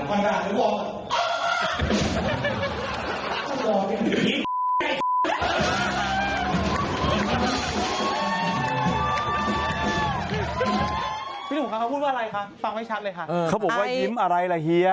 ฟังไม่ชัดเลยว่ายิ้มอะไรล่ะเฮีย